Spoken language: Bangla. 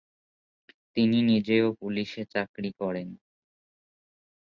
তিনি নিজেও পুলিশে চাকরি করেন।